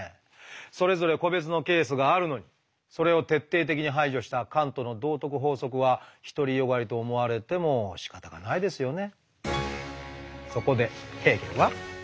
それぞれ個別のケースがあるのにそれを徹底的に排除したカントの道徳法則は独り善がりと思われてもしかたがないですよね？